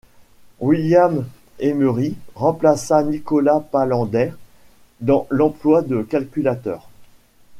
William Emery remplaça Nicolas Palander dans l’emploi de calculateur.